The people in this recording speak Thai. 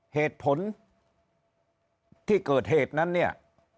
เหตุผลที่เกิดเหตุนั้นเนี่ย